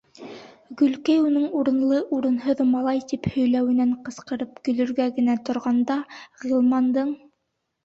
Гөлкәй уның урынлы-урынһыҙ «малай» тип һөйләүенән ҡысҡырып көлөргә генә торғанда, Ғилмандың: